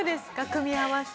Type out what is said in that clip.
組み合わせ。